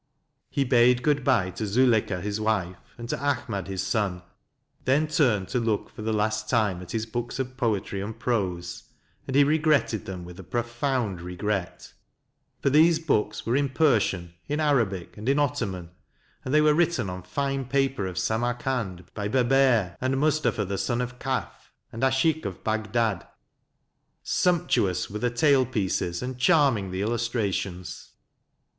He bade good bye to Zuleika his wife, and to Ahmad his son, then turned to look for the last time at his books of poetry and prose; and he regretted them with a profound regret. For these books were in Persian, in Arabic, and in Ottoman, and they were written on fine paper of Samarkand by Beber, and Mustafa the son of Qaf and Ashiq of Bagdad; sump 47 48 MANSUR tuouswerethe tail pieces and charming the illustrations.